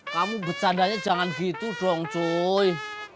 kamu bercandanya jangan gitu dong joy